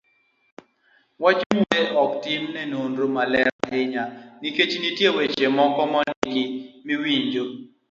Wach miwuoyoe ok tim ne nonro maler ahinya nikech nitie weche moko mondiki miwinjo